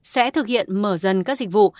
sẽ thực hiện mở dần các dịch vụ